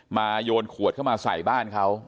โยนขวดเข้ามาใส่บ้านเขา